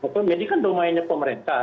jadi kan domainnya pemerintah